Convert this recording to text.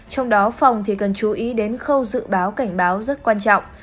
trong đó phòng thì cần chú ý đến khâu dự báo cảnh báo rất quan trọng